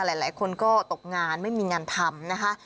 หลายคนก็ตกงานไม่มีงานทำนะคะ